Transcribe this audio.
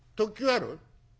ある？